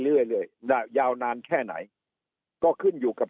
เรื่อยเรื่อยยาวนานแค่ไหนก็ขึ้นอยู่กับ